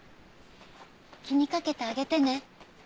気にかけてあげてね。